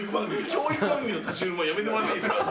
教育番組の立ち居振る舞いやめてもらっていいですか？